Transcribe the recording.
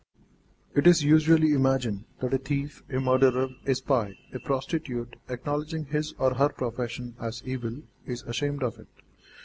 It is usually imagined that a thief, a murderer, a spy, a prostitute, acknowledging his or her profession as evil, is ashamed of it.